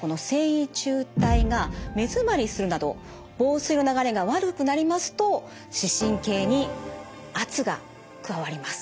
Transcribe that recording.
この線維柱帯が目づまりするなど房水の流れが悪くなりますと視神経に圧が加わります。